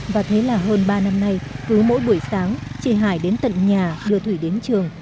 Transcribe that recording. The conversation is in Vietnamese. và thế là hơn ba năm nay cứ mỗi buổi sáng chị hải đến tận nhà đưa thủy đến trường